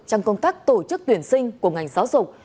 trong công tác tổ chức tuyển sinh của ngành giáo dục